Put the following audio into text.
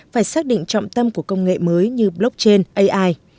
phải xác định trọng tâm của công nghệ mới như blockchain ai